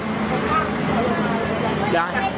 อีกใบหนึ่ง